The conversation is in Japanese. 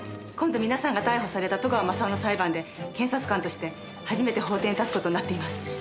今度皆さんが逮捕された戸川雅夫の裁判で検察官として初めて法廷に立つ事になっています。